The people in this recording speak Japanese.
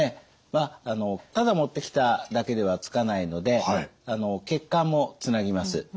まあただ持ってきただけではつかないので血管もつなぎます。